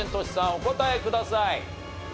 お答えください。